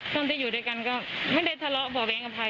เชื่อว่ามันน่าจะถูกฆาตกรรม